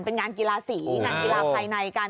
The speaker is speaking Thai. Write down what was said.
เป็นงานกีฬาสีงานกีฬาภายในกัน